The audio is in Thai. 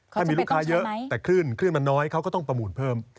ถ้ามีลูกค้าเยอะแต่คลื่นคลื่นมันน้อยเขาก็ต้องประมูลเพิ่ม